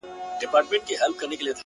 ته چي راغلې سپين چي سوله تور باڼه ـ